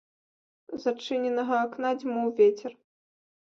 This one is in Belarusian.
З адчыненага акна дзьмуў вецер.